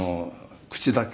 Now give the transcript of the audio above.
口だけ」